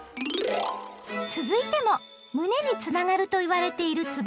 続いても胸につながるといわれているつぼ